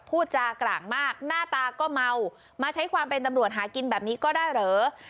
พูดจากร่างมากหน้าตาก็เมามาใช้ความเป็นตำรวจหากินแบบนี้ก็ได้เหรอ